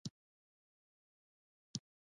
د سنګین دره زرغونه ده